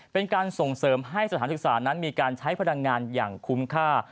เป็นการส่งเสริมให้สถานศึกษานั้นมีการใช้พลังงานอย่างคุ้มค่า